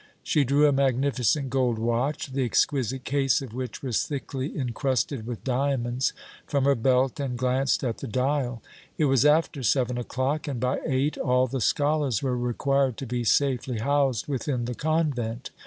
She drew a magnificent gold watch, the exquisite case of which was thickly incrusted with diamonds, from her belt and glanced at the dial. It was after seven o'clock, and by eight all the scholars were required to be safely housed within the convent.